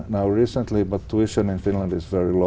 nó cũng là một trải nghiệm